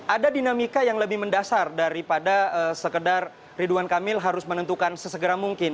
ada dinamika yang lebih mendasar daripada sekedar ridwan kamil harus menentukan sesegera mungkin